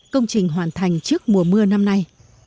công trình hoàn thành trước mùa mưa năm nay